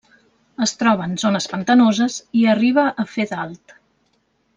Es troba en zones pantanoses, i arriba a fer d'alt.